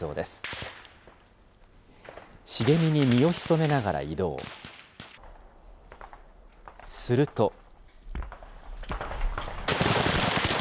すると。